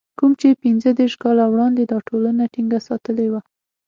کوم چې پنځه دېرش کاله وړاندې دا ټولنه ټينګه ساتلې وه.